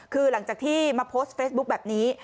คือหลังจากที่มาโพสต์เฟซบุ๊คแบบนี้